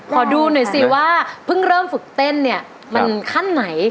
ขอดูหน่อยสิว่าเพิ่งเริ่มฝึกเต้นเนี่ยมันขั้นไหน